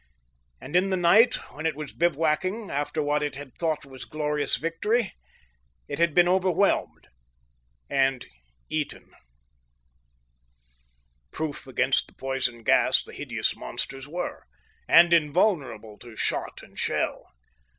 And in the night, when it was bivouacking, after what it had thought was glorious victory, it had been overwhelmed and eaten! Proof against the poison gas, the hideous monsters were, and invulnerable to shot and shell.